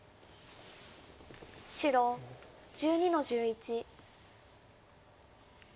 白１２の十一。